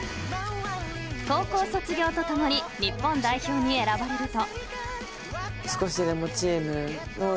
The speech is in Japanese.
［高校卒業とともに日本代表に選ばれると］